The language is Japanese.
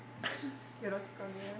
よろしくお願いします。